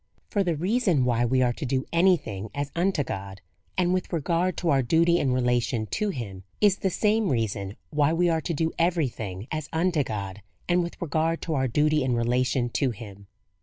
For the reason why we are to do any thing as unto God, and with regard to our duty and relation to him, is the same reason why we are to do every thing as unto God, and with regard to our duty and relation to him.